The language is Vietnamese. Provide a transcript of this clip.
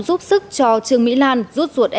giúp sức cho trương mỹ lan rút ruột